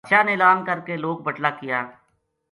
باد شاہ نے اعلان کر کے لوک بٹلا کیا